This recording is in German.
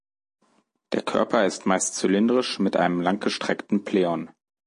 Der Körper ist meist zylindrisch mit einem langgestreckten Pleon.